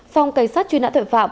phòng cảnh sát truy nãn tội phạm